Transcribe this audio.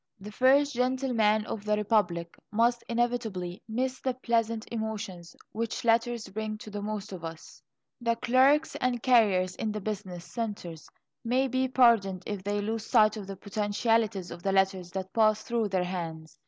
The First Gentleman of the Republic must inevitably miss the pleasant emotions which letters bring to the most of us. The clerks and carriers in the business centres may be pardoned if they lose sight of the potentialities of the letters that pass through their hands.